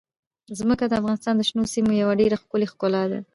ځمکه د افغانستان د شنو سیمو یوه ډېره ښکلې ښکلا ده.